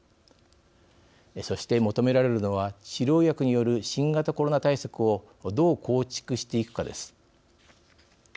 そして、求められるのは治療薬による新型コロナ対策をどう構築していくかです。